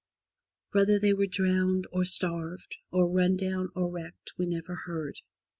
Whether they were drowned, or starved, or run down, or wrecked, we never heard.